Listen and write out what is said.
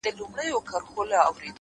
• اورېدلې مي په کور کي له کلو ده,